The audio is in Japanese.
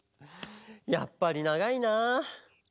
やっぱりながいなあ。